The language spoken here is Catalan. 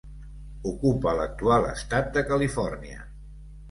Ocupa l'actual estat de Califòrnia.